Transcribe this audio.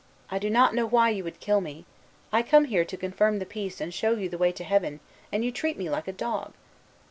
I do not know why you would kill me. I come here to confirm the peace and show you the way to heaven, and you treat me like a dog."